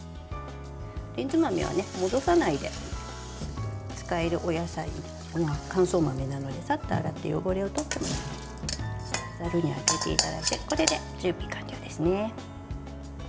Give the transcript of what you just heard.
レンズ豆は戻さないで使えるお野菜乾燥豆なので、さっと洗って汚れを取ってもらってざるに上げていただいてこれで準備完了ですね。